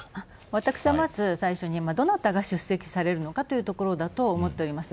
私はまず最初にどなたが出席されるのかというところだと思います。